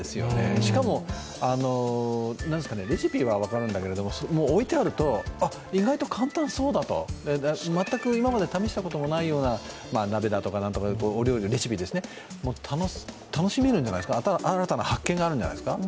しかも、レシピは分かるんだけども置いてあると意外と簡単そうだと、全く今まで試したことのないような鍋だとかお料理、レシピですね、楽しめるんじゃないですか、新たな発見があるんじゃないですか。